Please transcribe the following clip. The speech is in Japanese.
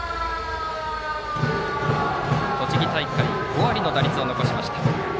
栃木大会５割の打率を残しました。